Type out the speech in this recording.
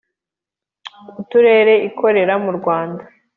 uturere ikorera mu Rwanda,